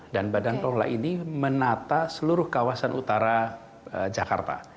dan badan pengelola ini menata seluruh kawasan utara jakarta